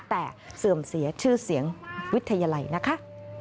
แต่เสื่อมเสียชื่อเสียงวิทยาลัยนะคะ